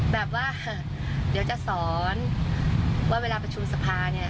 แบบว่าเดี๋ยวจะสอนว่าเวลาประชุมสภาเนี่ย